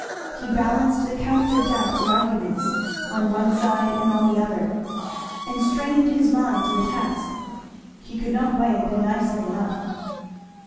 He balanced the counter doubts and arguments, on one side and on the other, and strained his mind to the task; he could not weigh them nicely enough.